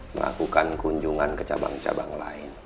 melakukan kunjungan ke cabang cabang lain